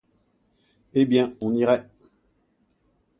Eh bien, on irait.